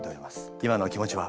今のお気持ちは？